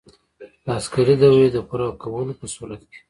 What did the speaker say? د عسکري دورې د پوره کولو په صورت کې.